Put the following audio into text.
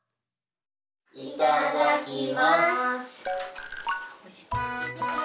いただきます！